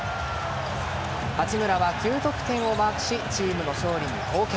八村は９得点をマークしチームの勝利に貢献。